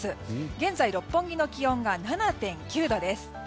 現在、六本木の気温が７．９度です。